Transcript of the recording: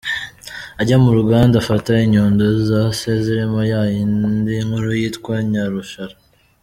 Ajya mu ruganda, afata inyundo za Se zirimo yayindi nkuru yitwa Nyarushara.